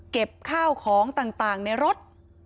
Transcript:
เก็บข้าวของต่างในรถ